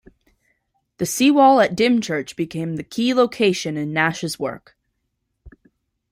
The seawall at Dymchurch became a key location in Nash's work.